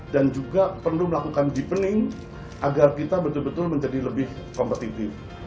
dan juga perlu melakukan deepening agar kita betul betul menjadi lebih kompetitif